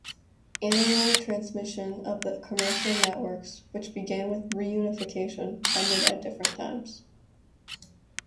Analogue transmission of the commercial networks, which began with reunification, ended at different times.